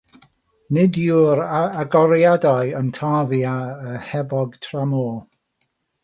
Nid yw'r agoriadau yn tarfu ar yr hebog tramor.